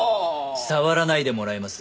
触らないでもらえます？